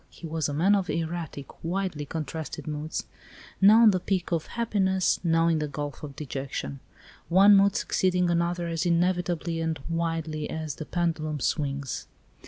He was a man of erratic, widely contrasted moods now on the peaks of happiness, now in the gulf of dejection; one mood succeeding another as inevitably and widely as the pendulum swings.